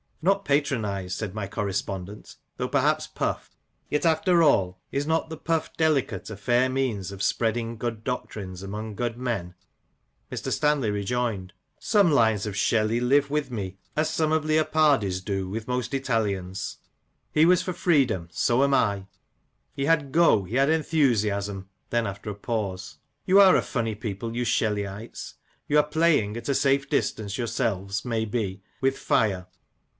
"Not patronize," said my correspondent, "though perhaps puff. Yet, after all, is not the puff delicate a fair means of spreading good doctrines among good men .?" Mr. Stanley rejoined: "Some lines of Shelley live THE MASK OF ANARCHY. 27 with me, as some of Leopardi's do with most Itah'ans. He was for freedom, so am I. He had go, he had enthusiasm." Then, after a pause, "You are a funny people, you Shelleyites: you are playing — at a safe distance yourselves, may be — with fire.